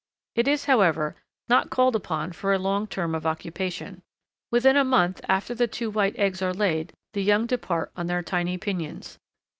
It is, however, not called upon for a long term of occupation. Within a month after the two white eggs are laid the young depart on their tiny pinions.